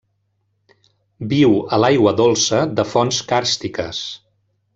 Viu a l'aigua dolça de fonts càrstiques.